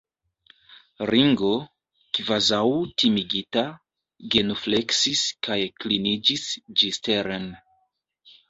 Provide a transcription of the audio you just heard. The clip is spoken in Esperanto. Ringo, kvazaŭ timigita, genufleksis kaj kliniĝis ĝisteren.